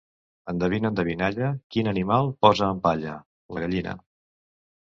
Endevina endevinalla, quin animal posa en palla? La gallina!